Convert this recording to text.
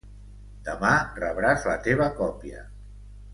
Demà rebràs la teva còpia.